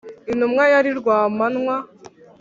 intumwa yari rwamanywa